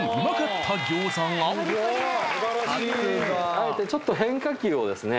あえてちょっと変化球をですね